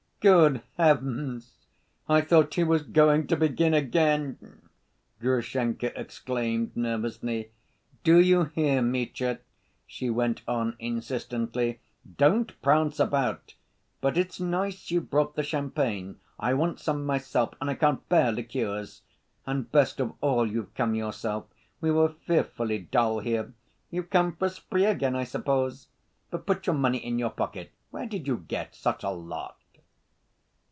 "Good heavens! I thought he was going to begin again!" Grushenka exclaimed nervously. "Do you hear, Mitya," she went on insistently, "don't prance about, but it's nice you've brought the champagne. I want some myself, and I can't bear liqueurs. And best of all, you've come yourself. We were fearfully dull here.... You've come for a spree again, I suppose? But put your money in your pocket. Where did you get such a lot?"